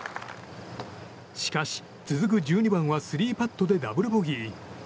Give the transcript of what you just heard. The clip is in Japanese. しかし、続く１２番は３パットでダブルボギー。